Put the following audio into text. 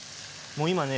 もう今ね